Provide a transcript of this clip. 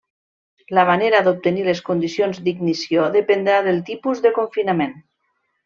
La manera d'obtenir les condicions d'ignició dependrà del tipus de confinament.